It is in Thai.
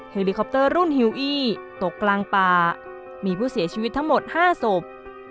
เฮลิคอปเตอร์รุ่นฮิวอี้ตกกลางป่ามีผู้เสียชีวิตทั้งหมด๕ศพ